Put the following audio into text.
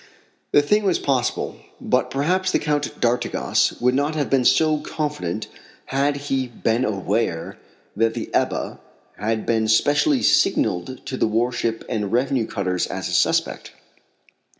The thing was possible, but perhaps the Count d'Artigas would not have been quite so confident had he been aware that the Ebba had been specially signalled to the warship and revenue cutters as a suspect.